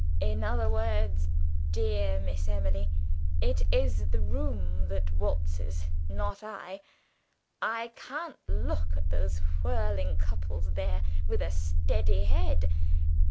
In other words, dear Miss Emily, it is the room that waltzes not I. I can't look at those whirling couples there, with a steady head.